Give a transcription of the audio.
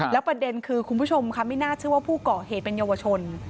แล้วประเด็นคือคุณผู้ชมค่ะไม่น่าเชื่อว่าผู้ก่อเหตุเป็นเยาวชน